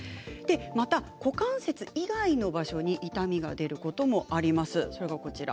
また股関節以外の場所に痛みが出ることもあります。